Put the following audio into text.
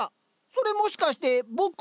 それもしかして僕？